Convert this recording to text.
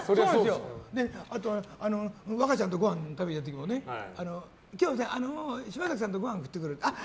あとは和歌ちゃんとごはんを食べた時にも今日、島崎さんとごはん食ってくる。